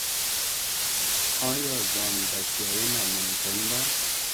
آیا ځان بسیاینه ممکن ده؟